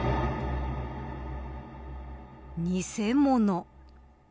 偽物。